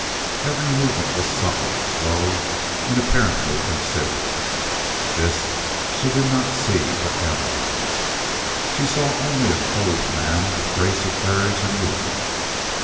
Every movement was supple, slow, and apparently considered. This she did not see nor analyze. She saw only a clothed man with grace of carriage and movement.